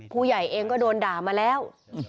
ผู้ใหญ่เองก็โดนด่ามาแล้ว